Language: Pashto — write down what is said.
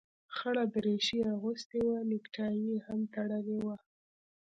خړه دريشي يې اغوستې وه نيكټايي يې هم تړلې وه.